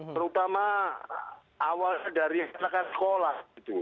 terutama awal dari anak anak sekolah